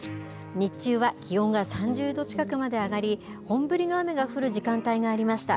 日中は気温が３０度近くまで上がり、本降りの雨が降る時間帯がありました。